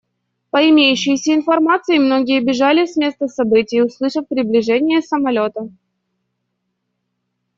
По имеющейся информации, многие бежали с места событий, услышав приближение самолета.